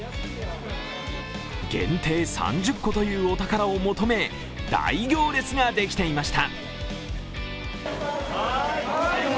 限定３０個というお宝を求め大行列ができていました。